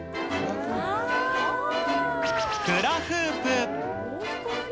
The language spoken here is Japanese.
フラフープ。